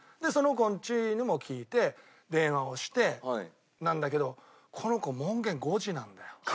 その子んちにも聞いて電話をしてなんだけどこの子門限５時なんだよ。